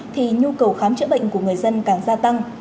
thì nhu cầu khám chữa bệnh của người dân càng gia tăng